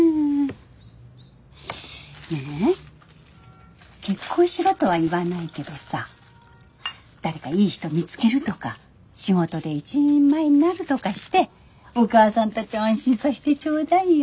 ねぇ結婚しろとは言わないけどさ誰かいい人見つけるとか仕事で一人前になるとかしてお母さんたちを安心させてちょうだいよ。